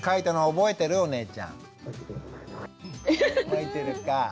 覚えてるか。